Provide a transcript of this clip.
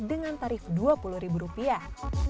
dengan tarif dua puluh ribu rupiah